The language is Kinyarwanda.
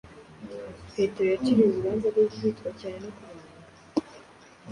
Petero yaciriwe urubanza rwo gukubitwa cyane no kubambwa